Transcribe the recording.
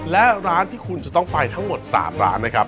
และร้านที่คุณจะต้องไปทั้งหมด๓ร้านนะครับ